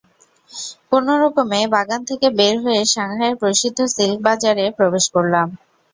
কোনো রকমে বাগান থেকে বের হয়ে সাংহাইয়ের প্রসিদ্ধ সিল্ক বাজারে প্রবেশ করলাম।